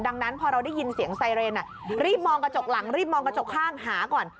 ดังนั้นพอเราได้ยินเสียงไซเรนรีบมองกระจกหลังรีบมองกระจกข้างหาก่อน